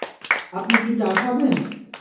আপনি কি চা খাবেন?